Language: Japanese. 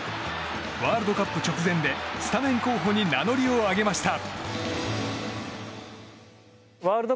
ワールドカップ直前でスタメン候補に名乗りを上げました。